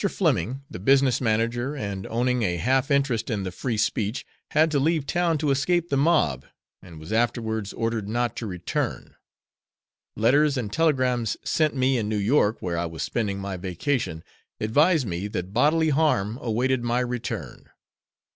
Fleming, the business manager and owning a half interest the Free Speech, had to leave town to escape the mob, and was afterwards ordered not to return; letters and telegrams sent me in New York where I was spending my vacation advised me that bodily harm awaited my return.